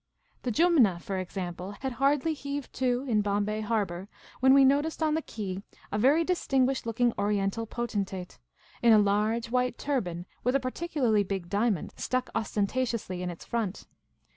^ho. Jumna, for example, had hardly heaved to in Bombay Harbour when we noticed on the quay a very distinguished looking Oriental potentate, in a large, white turban with a particularly big diamond stuck ostentatiously in its front.